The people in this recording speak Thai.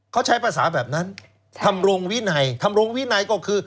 เขาใช้ภาษาแบบนั้นทำรงวินัยทำรงวินัยก็คือ